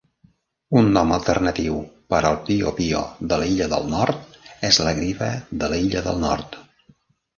Un nom alternatiu per al piopio de l'Illa del Nord és la griva de l'Illa del Nord.